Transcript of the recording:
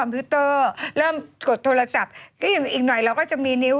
เมื่อก่อนเต้นอยู่ไหน